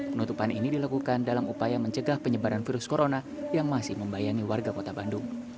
penutupan ini dilakukan dalam upaya mencegah penyebaran virus corona yang masih membayangi warga kota bandung